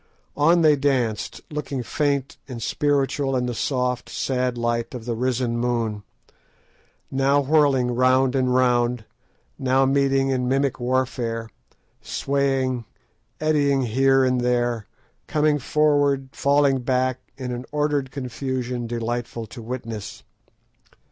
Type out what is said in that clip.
On they danced, looking faint and spiritual in the soft, sad light of the risen moon; now whirling round and round, now meeting in mimic warfare, swaying, eddying here and there, coming forward, falling back in an ordered confusion delightful to witness.